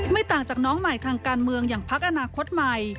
ต่างจากน้องใหม่ทางการเมืองอย่างพักอนาคตใหม่